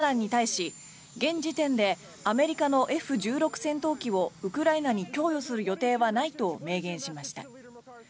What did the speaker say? バイデン大統領は３０日記者団に対し現時点でアメリカのＦ１６戦闘機をウクライナに供与する予定はないと明言しました。